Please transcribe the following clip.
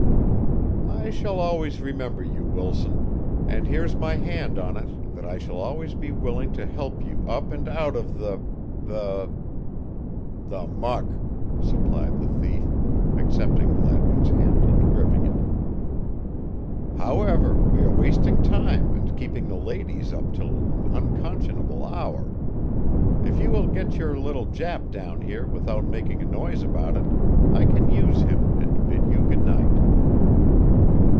"I shall always remember you, Wilson, and here's my hand on it that I shall always be willing to help you up and out of the the" "The muck!" supplied the thief, accepting Gladwin's hand and gripping it. "However, we are wasting time and keeping the ladies up till an unconscionable hour. If you will get your little Jap down here without making a noise about it, I can use him and bid you good night."